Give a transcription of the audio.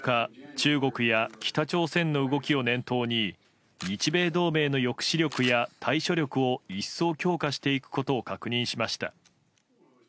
中国や北朝鮮の動きを念頭に日米同盟の抑止力や対処力を一層強化していくことを確認しました。